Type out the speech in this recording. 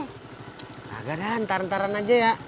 gak ada entaran entaran aja ya